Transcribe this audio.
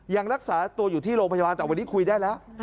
ยังรักษาตัวอยู่ที่โรงพยาบาลแต่วันนี้คุยได้แล้ว